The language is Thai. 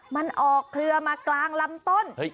มันออกเคลือมากลางลำต้น